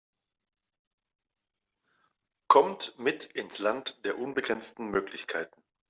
Kommt mit ins Land der unbegrenzten Möglichkeiten!